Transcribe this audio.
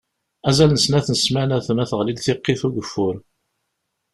Azal n snat n ssamanat ma teɣli-d tiqqit n ugeffur.